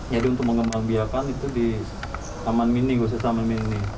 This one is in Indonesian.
jadi untuk mengembang biakan itu di taman mini goset taman mini